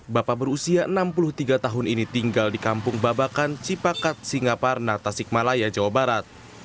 bapak berusia enam puluh tiga tahun ini tinggal di kampung babakan cipakat singaparna tasikmalaya jawa barat